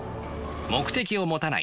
目的を持たない。